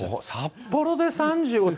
札幌で３５度？